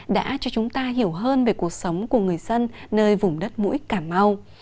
đã cho chúng ta hiểu hơn về cuộc sống của người dân nơi vùng đất mũi cà mau